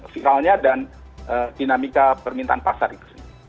viralnya dan dinamika permintaan pasar itu sendiri